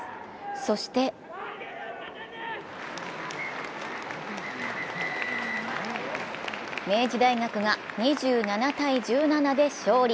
そして明治大学が２７−１７で勝利。